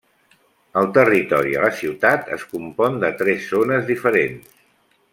El territori a la ciutat es compon de tres zones diferents.